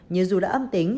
nhưng dù đã âm tính